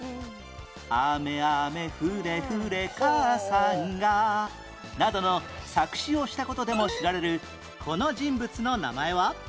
「あめあめふれふれかあさんが」などの作詞をした事でも知られるこの人物の名前は？